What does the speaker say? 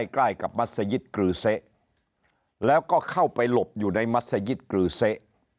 ใกล้กับมัศยิตกรือเสะแล้วก็เข้าไปหลบอยู่ในมัศยิตกรือเสะ